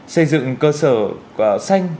xây dựng cơ sở xanh